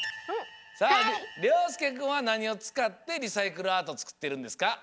さありょうすけくんはなにをつかってリサイクルアートつくってるんですか？